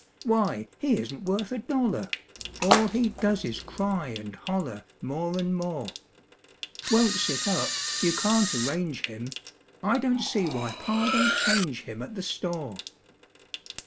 Why, he isn't worth a dollar! All he does is cry and holler More and more; Won't sit up you can't arrange him, I don't see why Pa do'n't change him At the store.